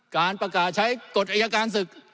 การประกาศใช้กฏไอ้อยากาศศึก